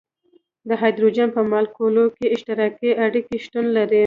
د هایدروجن په مالیکول کې اشتراکي اړیکه شتون لري.